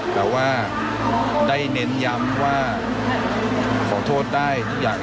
แต่ว่าได้เน้นย้ำว่าขอโทษได้ทุกอย่าง